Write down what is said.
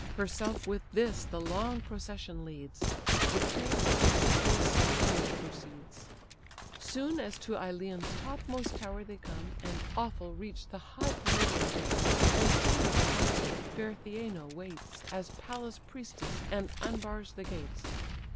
Herself with this the long procession leads; The train majestically slow proceeds. Soon as to Ilion's topmost tower they come, And awful reach the high Palladian dome, Antenor's consort, fair Theano, waits As Pallas' priestess, and unbars the gates.